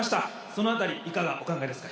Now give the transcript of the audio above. その辺りいかがお考えですか？